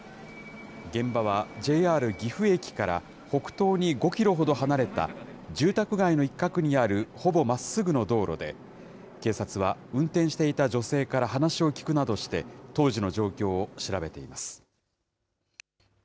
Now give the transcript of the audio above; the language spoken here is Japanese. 現場は、ＪＲ岐阜駅から北東に５キロほど離れた、住宅街の一角にあるほぼまっすぐの道路で、警察は運転していた女性から話を聞くなどして、当時の状況を調べています。